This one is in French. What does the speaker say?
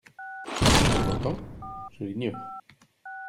Pour longtemps ? Je l'ignore.